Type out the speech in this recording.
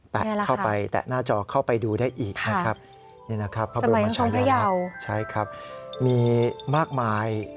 เข้าไปแตะหน้าจอเข้าไปดูได้อีกนะครับนี่นะครับพระบรมชายลักษณ์ใช่ครับมีมากมาย